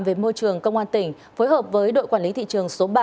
về môi trường công an tỉnh phối hợp với đội quản lý thị trường số ba